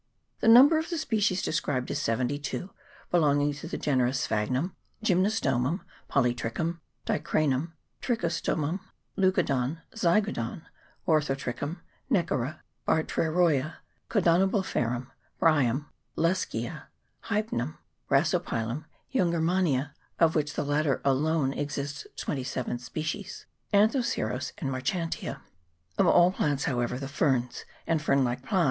The number of the species described is 72, belonging to the genera Sphagnum, Gymnostomum, Polytrichum, Dicranum, Trichostomum, Leucodon, Zygodon, Orthotrichum, Neckera, Bartramia, Codonoblepharum, Bryum, Leskea, Hypnum, Racopilum, Jungermannia (of which latter alone exist 27 species), An thoceros, and Marchantia. Of all plants, however, \heferns and fern like plant.?